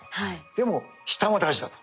でも下も大事だと。